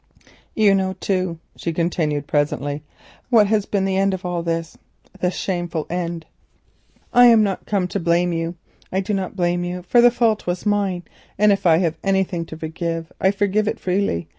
"You know, too," she continued presently, "what has been the end of all this, the shameful end. I am not come to blame you. I do not blame you, for the fault was mine, and if I have anything to forgive I forgive it freely.